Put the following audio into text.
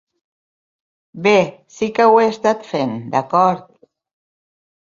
Bé, sí que ho he estat fent, d'acord.